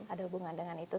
ada hubungan dengan itu